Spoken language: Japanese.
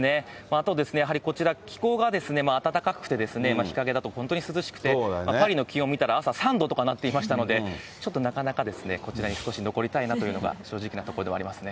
あとやはり、こちら気候が暖かくて、日陰だと本当に涼しくて、パリの気温見たら、朝、３度とかなっていましたので、ちょっとなかなかですね、こちらに少し残りたいなというのが、正直なところではありますね。